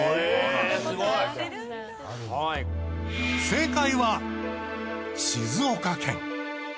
正解は静岡県。